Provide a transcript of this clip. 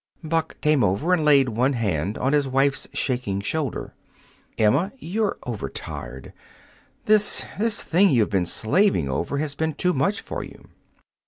Buck came over and laid one hand on his wife's shaking shoulder. "Emma, you're overtired! This this thing you've been slaving over has been too much for you."